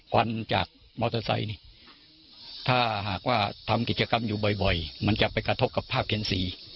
ควันจากมอเตอร์ไซค์นี่ถ้าหากว่าทำกิจกรรมอยู่บ่อยมันจะไปกระทบกับภาพเขียนสี